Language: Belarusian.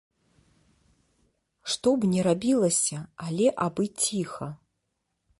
Што б ні рабілася, але абы ціха.